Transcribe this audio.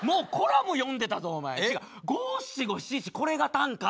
違う五・七・五・七・七これが短歌！